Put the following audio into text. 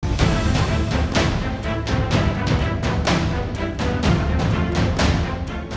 เต็มเพลย์